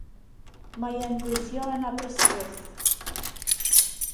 Mae e'n gweithio yn Aberystwyth.